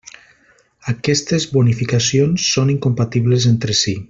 Aquestes bonificacions són incompatibles entre si.